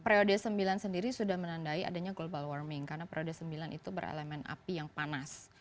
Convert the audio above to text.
periode sembilan sendiri sudah menandai adanya global warming karena periode sembilan itu berelemen api yang panas